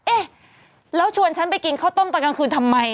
เอ๊ะแล้วชวนฉันไปกินข้าวต้มตอนกลางคืนทำไม